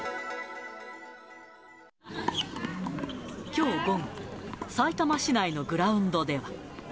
きょう午後、さいたま市内のグラウンドでは。